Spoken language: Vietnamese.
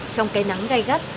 trong cái nắng gai gắt